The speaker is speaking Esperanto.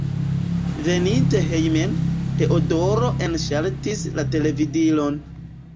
Veninte hejmen, Teodoro enŝaltis la televidilon.